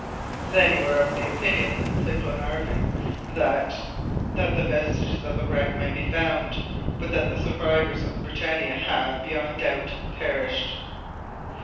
"Then you are of the opinion," said Glenarvan, "that " "That vestiges of the wreck might be found; but that the survivors of the BRITANNIA have, beyond doubt, perished."